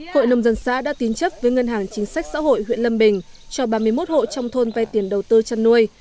hội nông dân xã đã tín chấp với ngân hàng chính sách xã hội huyện lâm bình cho ba mươi một hộ trong thôn vay tiền đầu tư chăn nuôi